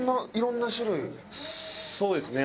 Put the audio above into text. そうですね。